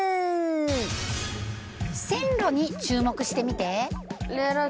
線路に注目してみて。